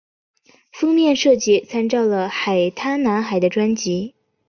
封面设计参照了海滩男孩的专辑。